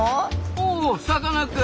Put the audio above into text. おさかなクン！